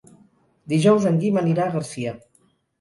Dijous en Guim anirà a Garcia.